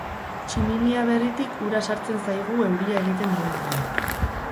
Tximinia berritik ura sartzen zaigu euria egiten duenean.